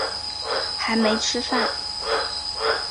还没吃饭